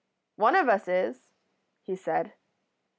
"'One of us is,' he said.